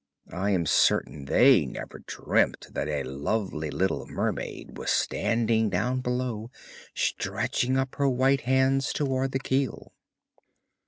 I am certain they never dreamt that a lovely little mermaid was standing down below, stretching up her white hands towards the keel.